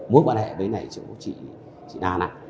mối quan hệ với chị nà